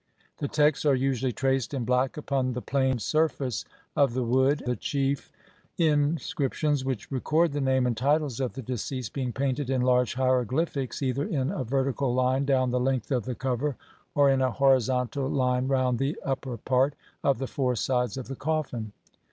The texts are usually traced in black upon the planed surface of the wood, the chief in scriptions which record the name and titles of the de ceased being painted in large hieroglyphics either in a vertical line down the length of the cover, or in a horizontal line round the upper part of the four sides of the coffin.